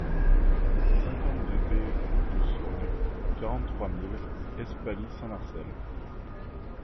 cinquante-deux B route de Saugues, quarante-trois mille Espaly-Saint-Marcel